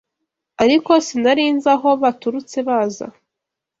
ariko sinari nzi aho baturutse baza